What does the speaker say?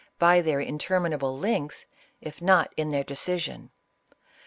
101 by their interminable length, if not in their decision.